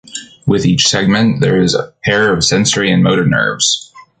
With each segment, there is a pair of sensory and motor nerves.